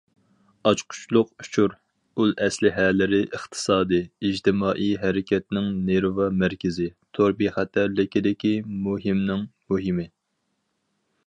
ئاچقۇچلۇق ئۇچۇر ئۇل ئەسلىھەلىرى ئىقتىسادىي، ئىجتىمائىي ھەرىكەتنىڭ نېرۋا مەركىزى، تور بىخەتەرلىكىدىكى مۇھىمنىڭ مۇھىمى.